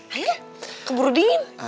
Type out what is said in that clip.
ayo keburu dingin